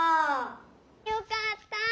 よかった！